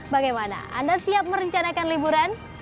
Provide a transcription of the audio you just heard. bagaimana anda siap merencanakan liburan